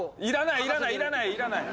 要らない要らない要らない！